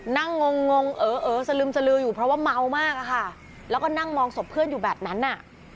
งงงเออสลึมสลืออยู่เพราะว่าเมามากอะค่ะแล้วก็นั่งมองศพเพื่อนอยู่แบบนั้นอ่ะ